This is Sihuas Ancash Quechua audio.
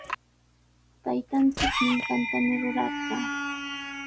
Taytanchik ninqantami rurayarqaa.